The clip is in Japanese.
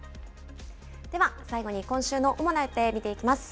では最後に今週の主な予定を見ていきます。